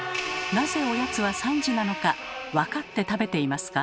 なぜおやつは３時なのか分かって食べていますか？